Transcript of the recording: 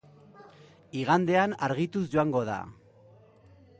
Igandean argituz joango da.